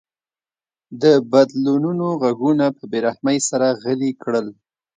د بدلونونو غږونه په بې رحمۍ سره غلي کړل.